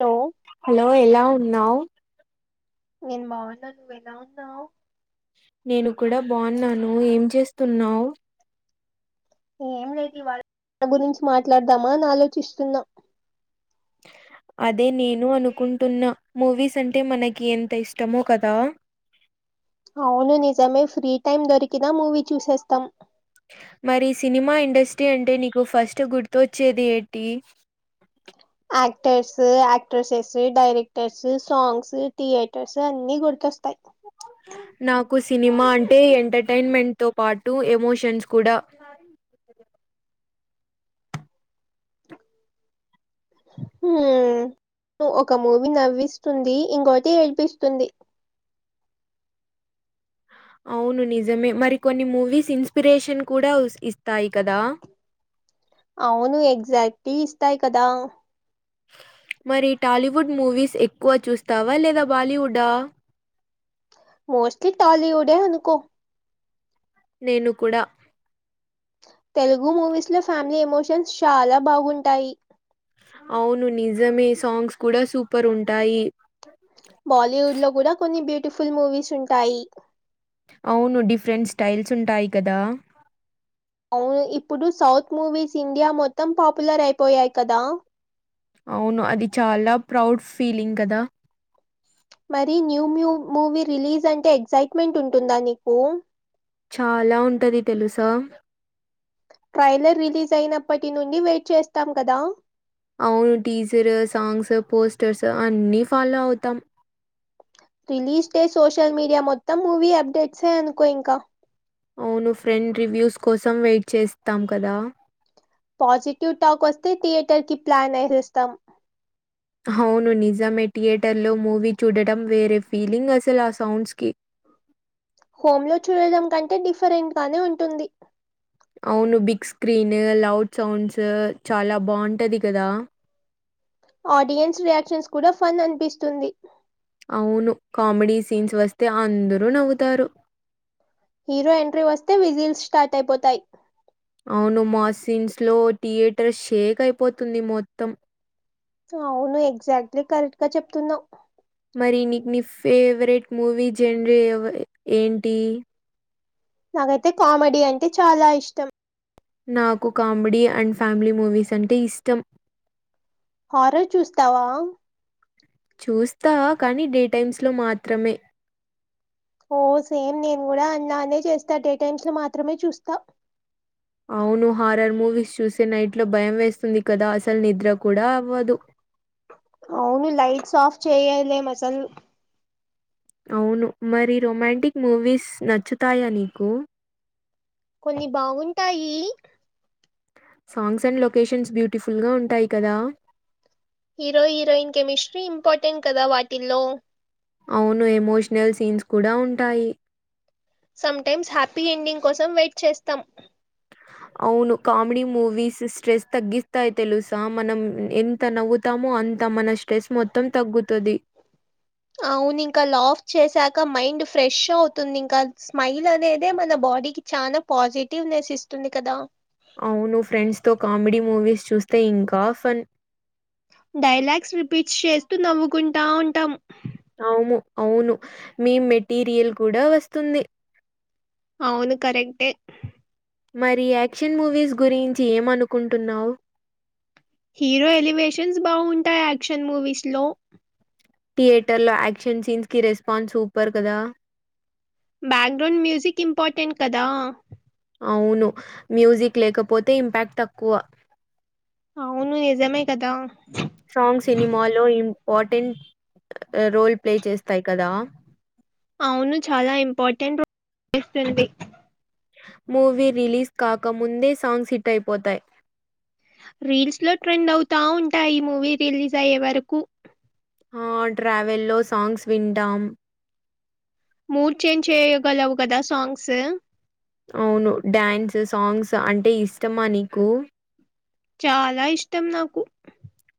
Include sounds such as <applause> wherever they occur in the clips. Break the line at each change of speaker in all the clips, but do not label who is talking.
hello
hello ఎలా ఉన్నావ్
నేను బాగున్నా నువ్వు ఎలా ఉన్నవ్
నేను కూడా బాగున్నాను ఏం చేస్తున్నావ్
ఏం లేదు ఇవాళ్ళ దేనీ గురించి మాట్లాడదామా అని ఆలోచిస్తున్నా
అదే నేను అనుకుంటున్న మూవీస్ అంటే మనకి ఎంత ఇష్టమో కదా
అవును నిజమే ఫ్రీ టైం దొరికినా మూవీ చూసేస్తాం
మరి సినిమా ఇండస్ట్రీ అంటే నీకు ఫస్ట్ గుర్తొచ్చేది ఏంటి
actors actresses directors songs theatres అన్ని గుర్తొస్తాయ్
నాకు సినిమా అంటే ఎంటర్టైన్మెంట్ తో పాటు ఎమోషన్స్ కూడా
హుం ఒక మూవీ నవ్విస్తుంది ఇంకోటి ఏడిపిస్తుంది
అవును నిజమే మరి కొన్ని మూవీస్ ఇన్స్పిరేషన్ కూడా ఉస్-ఇస్తాయి కదా
అవును ఎగ్జాక్ట్లీ ఇస్తాయ్ కదా
మరి టాలీవుడ్ మూవీస్ ఎక్కువ చూస్తావా లేదా బాలీవుడ్డా
మోస్ట్లీ టాలీవుడే అనుకో
నేను కూడా
తెలుగు మూవీస్ లో ఫ్యామిలీ ఎమోషన్స్ చాలా బాగుంటాయి
అవును నిజమే సాంగ్స్ కూడా సూపర్ ఉంటాయి
బాలీవుడ్ లో కూడా కొన్ని బ్యూటిఫుల్ మూవీస్ ఉంటాయి
అవును డిఫరెంట్ స్టైల్స్ ఉంటాయి కదా
అవును ఇప్పుడు సౌత్ మూవీస్ ఇండియా మొత్తం పాపులర్ అయిపోయాయి కదా
అవును అది చాలా ప్రౌడ్ ఫీలింగ్ కదా
మరి న్యూ న్యూ మూవీ రిలీజ్ అంటే ఎక్సట్మెంట్ ఉంటుందా నీకు
చాలా ఉంటది తెలుసా
ట్రైలర్ రిలీజ్ అయినప్పటి నుండి వెయిట్ చేస్తాం కదా
అవును టీజర్ సాంగ్స్ పోస్టర్స్ అన్ని ఫాలో అవుతాం
రిలీజ్ డే సోషల్ మీడియా మొత్తం మూవీ అప్డేట్సే అనుకో ఇంకా
అవును ఫ్రెండ్ రివ్యూస్ కోసం వెయిట్ చేస్తాం కదా
పాజిటివ్ టాక్ వస్తే థియేటర్ కి ప్లాన్ ఏసేస్తాం
హవును నిజమే థియేటర్ లో మూవీ చూడటం వేరే ఫీలింగ్ అసలు ఆ సౌండ్స్ కి
ఫోన్లో చూడడం కంటే డిఫరెంట్ గానే ఉంటుంది
అవును బిగ్ స్క్రీన్ లౌడ్ సౌండ్స్ చాలా బాగుంటది కదా
ఆడియన్స్ రియాక్షన్స్ కూడా ఫన్ అనిపిస్తుంది
అవును కామెడీ సీన్స్ వస్తే అందరు నవ్వుతారు
హీరో ఎంట్రీ వస్తే విజిల్స్ స్టార్ట్ అయిపోతాయి
అవును మాసిన్స్ లో థియేటర్ షేక్ అయిపోతుంది మొత్తం
అవును ఎగ్జాక్ట్లీ కరెక్ట్ గా చెప్తున్నావ్
మరి నీక్ నీ ఫేవరెట్ మూవీ జనరీ ఎవ ఏంటి
నాకైతే కామెడీ అంటే చాలా ఇష్టం
నాకు కామెడీ అండ్ ఫ్యామిలీ మూవీస్ అంటే ఇష్టం
హారర్ చూస్తావా
చూస్తా కానీ డే టైమ్స్ లో మాత్రమే
ఓ సేమ్ నేను గుడా అలానే చేస్తా డే టైమ్స్ లో మాత్రమే చూస్తా
అవును హారర్ మూవీస్ చూసే నైట్ లో భయం వేస్తుంది కదా అసలు నిద్ర కూడా అవ్వదు
అవును లైట్స్ ఆఫ్ చెయలేం అసల్
అవును మరి రొమాంటిక్ మూవీస్ నచ్చుతాయా నీకు
కొన్ని బాగుంటాయి
సాంగ్స్ అండ్ లొకేషన్స్ బ్యూటిఫుల్ గా ఉంటాయి కదా
హీరో హీరోయిన్ కెమిస్ట్రీ ఇంపార్టెంట్ కదా వాటిల్లో
అవును ఎమోషనల్ సీన్స్ కూడా ఉంటాయి
సమ్ టైమ్స్ హ్యాపీ ఎండింగ్ కోసం వెయిట్ చేస్తాం
అవును కామెడి మూవీస్ స్ట్రెస్ తగ్గి తాది తెలుసా మనం ఎంత నవ్వుతామో అంత మన స్ట్రెస్ మొత్తం తగ్గుతది
అవును ఇంకా లాఫ్ చేసాక మైండ్ ఫ్రెష్ అవుతుంది ఇంకా స్మైల్ అనేది మన బాడీకి చనా పాజిటివ్నెస్ ఇస్తుంది కదా
అవును ఫ్రెండ్స్ తో కామెడీ మూవీస్ చూస్తే ఇంకా ఫన్
డైలాగ్స్ రిపీట్ చేస్తూ నవ్వుకుంటా ఉంటాం
అవుము అవును మీ మెటీరియల్ కూడా వస్తుంది
అవును కరెక్టే
మరి యాక్షన్ మూవీస్ గురించి ఏమనుకుంటున్నావు
హీరో ఎలివేషన్స్ బావుంటాయి యాక్షన్ మూవీస్ లో
థియేటర్లో యాక్షన్ సీన్స్ కి రెస్పాన్స్ సూపర్ కదా
బ్యాక్గ్రౌండ్ మ్యూజిక్ ఇంపార్టెంట్ కదా
అవును మ్యూజిక్ లేకపోతే ఇంప్యాక్ట్ తక్కువ
అవును నిజమే కదా
సాంగ్ సినిమాలో ఇంపార్టెంట్ రోల్ ప్లే చేస్తాయ్ కదా
అవును చాలా ఇంపార్టెంట్ రోల్ ఇస్తుంది
మూవీ రిలీజ్ కాక ముందే సాంగ్స్ హిట్ అయిపోతాయ్
రీల్స్ లో ట్రెండ్ అవుతా ఉంటాయి మూవీ రిలీజ్ అయ్యే వరకు
ఆ ట్రావెల్ లో సాంగ్స్ వింటాం
మూడ్ చేంజ్ చేయగలవు కదా సాంగ్స్
అవును డ్యాన్స్ సాంగ్స్ అంటే ఇష్టమా నీకు
చాలా ఇష్టం నాకు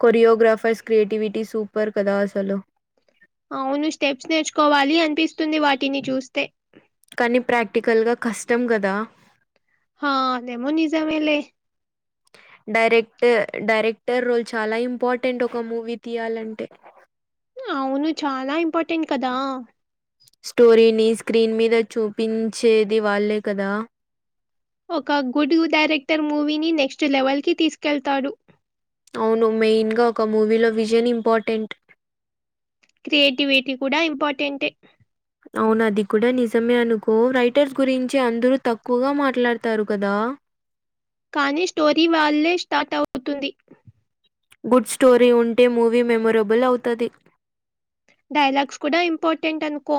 కొరియోగ్రాఫర్స్ క్రియేటివిటీ సూపర్ కదా అసలు
అవును స్టెప్స్ నేర్చుకోవాలి అనిపిస్తుంది వాటిని చూస్తే
కానీ ప్రాక్టికల్ గా కష్టం కదా
హ అదేమో నిజమేలే
డైరెక్టర్ డైరెక్టర్ రోల్ చాలా ఇంపార్టెంట్ ఒక మూవీ తీయాలంటే
అవును చాలా ఇంపార్టెంట్ కదా
స్టోరీని స్క్రీన్ మీద చూపించేది వాళ్ళే కదా
ఒక గుడు డైరెక్టర్ మూవీని నెక్స్ట్ లెవెల్ కి తీసుకెళ్తాడు
అవును మెయిన్ గా ఒక మూవీ లో విజన్ ఇంపార్టెంట్
క్రియేటివిటీ కూడా ఇంపార్టెంటే
అవును అది కూడా నిజమే అనుకో రైటర్స్ గురించి అందరూ తక్కువగా మాట్లాడతారు కదా
కానీ స్టోరీ వాళ్లే స్టార్ట్ అవుతుంది
గుడ్ స్టోరీ ఉంటే మూవీ మెమొరబుల్ అవుతది
డైలాగ్స్ కూడా ఇంపార్టెంట్ అనుకో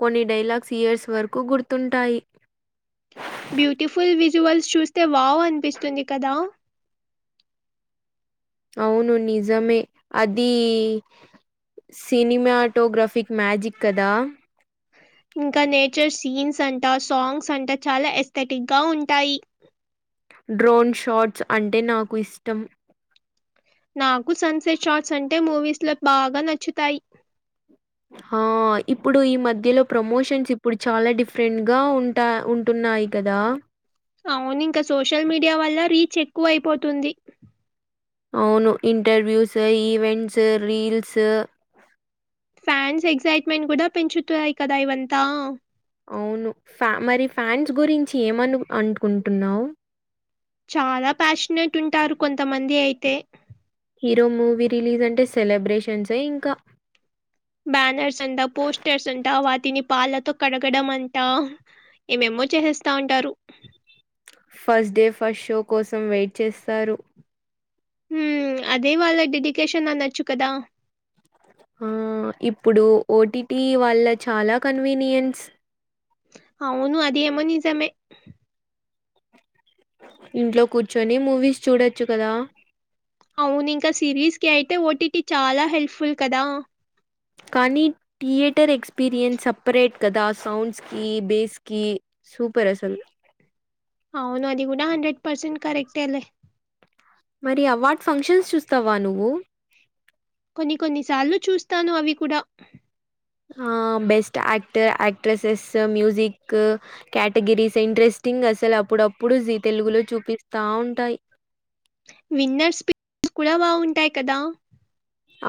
కొన్ని డైలాగ్స్ ఇయర్స్ వరకు గుర్తుంటాయి
బ్యూటిఫుల్ విజువల్స్ చూస్తే వావ్ అనిపిస్తుంది కదా
అవును నిజమే అది సినిమాటోగ్రఫిక్ మ్యాజిక్ కదా
ఇంకా నేచర్ సీన్స్ అంటా సాంగ్స్ అంటా చాలా ఎస్థెటిక్ గా ఉంటాయి
డ్రోన్ షాట్స్ అంటే నాకు ఇష్టం
నాకు సన్సెట్ షార్ట్స్ అంటే మూవీస్ లో బాగా నచ్చుతాయి
ఆ ఇప్పుడు ఈ మధ్యలో ప్రమోషన్స్ ఇప్పుడు చాలా డిఫరెంట్ గా ఉంటా ఉంటున్నాయి కదా
అవును ఇంకా సోషల్ మీడియా వల్ల రీచ్ ఎక్కువ అయిపోతుంది
అవును interviews events reels
fans excitement కూడా పెంచుతున్నాయి కదా ఇవంతా
అవును ఫ్యా మరి ఫ్యాన్స్ గురించి ఏమను అనుకుంటున్నావు
చాలా ప్యాషనేట్ ఉంటారు కొంతమంది అయితే
హీరో మూవీ రిలీజ్ అంటే సెలబ్రేషన్సే ఇంకా
బ్యానర్స్ అంటా పోస్టర్స్ అంటా వాటిని పాలతో కడగడం అంటా ఏమేమో చేసేస్తా ఉంటారు
ఫస్ట్ డే ఫస్ట్ షో కోసం వెయిట్ చేస్తారు
హుమ్ అదే వాళ్ళ డెడికేషన్ అనొచ్చు కదా
ఆ ఇప్పుడు ఓటీటి వాల్ల చాలా కన్వీనియన్స్
అవును అది ఏమో నిజమే
ఇంట్లో కూర్చోని మూవీస్ చూడొచ్చు కదా
అవును ఇంక సిరీస్ కి అయితే ఓటీటీ చాలా హెల్ప్ఫుల్ కదా
కానీ థియేటర్ ఎక్స్పీరియన్స్ సప్రేట్ కదా సౌండ్స్ కి బేస్ కి సూపర్ అసల్
హ్మ్, అవును అది కూడ హండ్రెడ్ పర్సెంట్ కరక్టేలే
మరి అవార్డ్ ఫంక్షన్స్ చూస్తావ నువ్వు
కొన్ని కొన్ని సార్లు చూస్తాను అవి కూడ
హా best act actresses music categories interesting అసలు అప్పుడప్పుడు జీ తెలుగులో చూపిస్తా ఉంటాయి
విన్నర్స్ పిక్స్ కూడా బాగుంటాయి కదా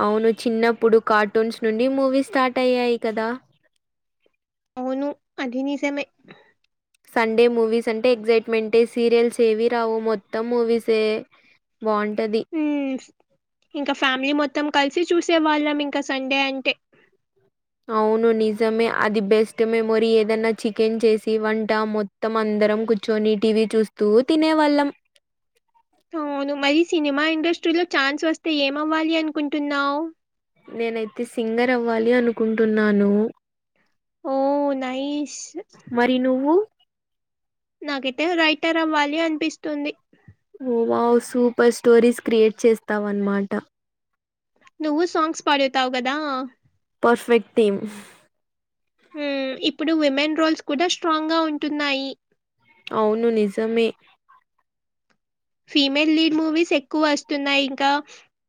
అవును చిన్నప్పుడు కార్టూన్స్ నుండి మూవీ స్టార్ట్ అయ్యాయి కదా
అవును అది నిజమే
సండే మూవీస్ అంటే ఎగ్సైట్మెంటే సీరియల్స్ ఏవి రావు మొత్తం మూవీసే బావుంటది
ఉమ్ ఇంకా ఫ్యామిలీ మొత్తం కలిసి చూసేవాళ్ళం ఇంక సండే అంటే
అవును నిజమే అది బెస్ట్ మెమొరీ ఏదన్న చికెన్ చేసి వంట మొ త్తం అందరం కూచ్చోని టీవీ చూస్తూ తినేవాళ్ళం
అవును మరీ సినిమా ఇండస్ట్రీలో ఛాన్స్ వస్తే ఏమ్ అవ్వాలి అనుకుంటున్నావ్
నేన్ అయితే సింగర్ అవ్వాలి అనుకుంటున్నాను
ఓ నైస్
మరి నువ్వు
నాక్ అయితే రైటర్ అవ్వాలి అనిపిస్తుంది
ఓ వావ్ సూప్పర్ స్టోరీస్ క్రియేట్ చేస్తావ్ అన్మాట
నువ్వు సాంగ్స్ పాడ్ తావ గదా
పర్ఫెక్ట్ టీమ్
ఉమ్ ఇప్పుడు ఉమెన్ రోల్స్ కూడ స్ట్రాంగ్ గా ఉంటున్నాయి
అవును నిజమే
ఫీమేల్ లీడ్ మూవీస్ ఎక్కువ వస్తున్నాయి ఇంకా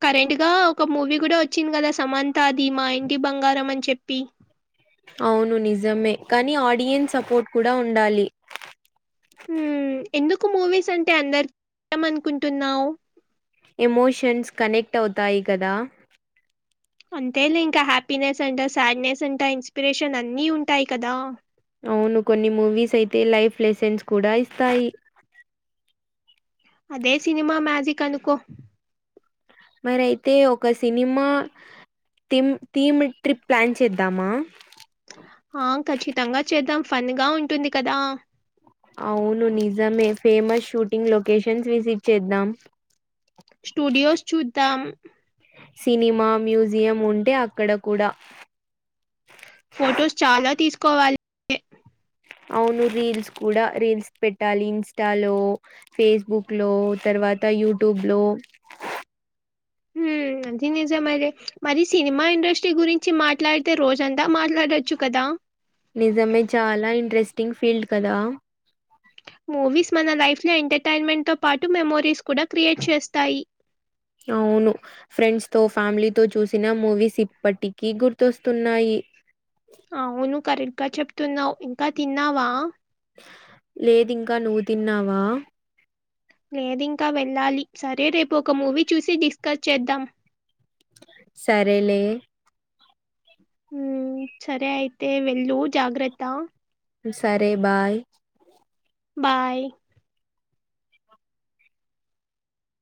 కరెంట్ గా ఒక మూవీ కూడ వచ్చింది గదా సమంతాది మా ఇంటి బంగారం అని చెప్పి
అవును నిజమే కానీ ఆడియన్స్ సపోర్ట్ కూడా ఉండాలి
ఉమ్ ఎందుకు మూవీస్ అంటే అందర్ <inaudible> అనుకుంటున్నావు
ఎమోషన్స్ కనెక్ట్ అవుతాయి కదా
అంతేలే ఇంకా హ్యాపీనెస్ అంట సాడ్నెస్ అంటా ఇన్స్పిరేషన్ అన్ని ఉంటాయి కదా
అవును కొన్ని మూవీస్ అయితే లైఫ్ లెసెన్స్ కూడా ఇస్తాయి
అదే సినిమా మ్యాజిక్ అనుకో
మరె అయితే ఒక సినిమా థిమ్ థీమ్ ట్రిప్ ప్లాన్ చేద్దామా
హా ఖచ్చితంగా చేద్దాం ఫన్ గ ఉంటుంది కదా
అవును నిజమే ఫేమస్ షూటింగ్ లొకేషన్స్ విసిట్ చేద్దాం
స్టూడియోస్ చూద్దాం
సినిమా మ్యూజియం ఉంటే అక్కడ కూడా
ఫొటోస్ చాలా తీసుకోవాలి
అవును రీల్స్ కూడా రీల్స్ పెట్టాలి ఇన్స్టాలో ఫేస్బుక్ లో తర్వాత యూట్యూబ్ లో
<inaudible> నిజంమరే మరి సినిమా ఇండస్ట్రీ గురించి మాట్లాడితే రోజంతా మాట్లాడచ్చు కదా
నిజమే చాలా ఇంట్రెస్టింగ్ ఫీల్డ్ కదా
మూవీస్ మన లైఫ్ లో ఎంటర్టైన్మెంట్ తో పాటు మెమోరీస్ కూడా క్రియేట్ చేస్తాయి
అవును ఫ్రెండ్స్ తో ఫ్యామిలీతో చూసిన మూవీస్ ఇప్పటికి గుర్తొస్తున్నాయి
అవును కరెక్ట్ గా చెప్తున్నావ్ ఇంకా తిన్నావా
లేదింకా నువ్వు తిన్నావా
లేదింకా వెళ్ళాలి సరే రేపు ఒక మూవీ చూసి డిస్కస్ చేద్దాం
సరేలే
ఉమ్ సరే అయితే వెళ్ళు జాగ్రత్త
సరే బాయ్
బాయ్